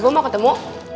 abah mau ketemu